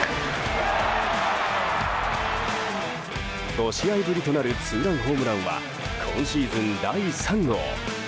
５試合ぶりとなるツーランホームランは今シーズン第３号。